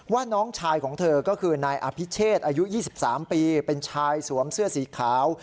น้องชายของเธอก็คือนายอภิเชษอายุ๒๓ปีเป็นชายสวมเสื้อสีขาว